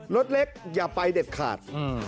รถเล็กอย่าไปเด็ดขาด